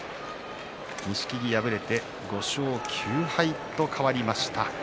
錦木、敗れて５勝９敗と変わりました。